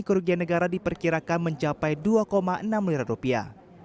kerugian negara diperkirakan mencapai dua enam miliar rupiah